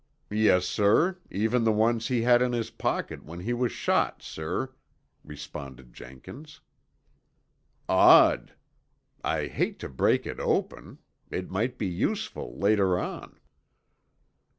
"Yes, sir, even the ones he had in his pocket when he was shot, sir," responded Jenkins. "Odd. I hate to break it open. It might be useful later on."